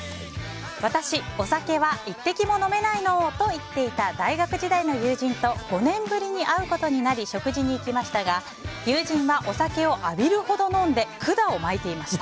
私、お酒は一滴も飲めないのと言っていた大学時代の友人と５年ぶりに会うことになり食事に行きましたが友人はお酒を浴びるほど飲んでくだをまいていました。